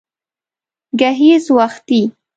گهيځ وختي